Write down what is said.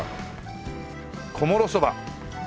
「こもろそば」